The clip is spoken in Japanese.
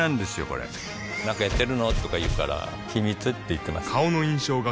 これなんかやってるの？とか言うから秘密って言ってます